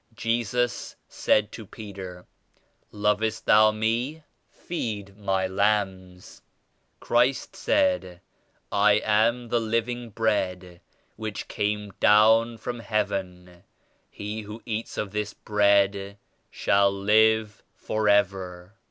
Jesus said to Peter — "Lovest thou Me — feed My lambs." Christ said, "I am the Living Bread which came down from Heaven ; he who eats of this Bread shall live forever."